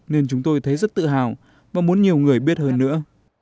nên chúng tôi thấy rất tự hào và muốn nhiều người biết hơn nữa